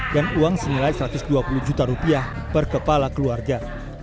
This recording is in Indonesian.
uang senilai satu ratus dua puluh juta rupiah per kepala keluarga